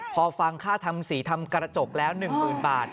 พอฟังค่าทำสีทำกระจกแล้ว๑๐๐๐บาท